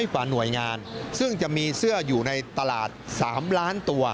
กว่าหน่วยงานซึ่งจะมีเสื้ออยู่ในตลาด๓ล้านตัว